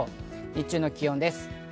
日中の気温です。